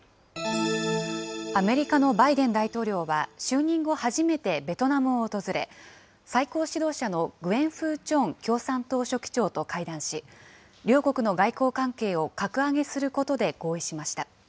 アメリカのバイデン大統領は、就任後初めてベトナムを訪れ、最高指導者のグエン・フー・チョン共産党書記長と会談し、両国の外交関係を格上げすることで合意しました。